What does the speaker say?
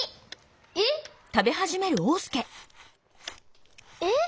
えっ？えっ？